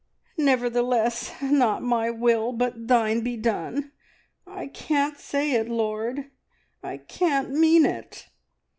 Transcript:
"`Nevertheless, not my will, but Thine be done.' I can't say it, Lord. I can't mean it!"